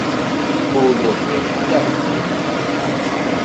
Ur nebɣi ḥedd ad ɣ-d-yaf.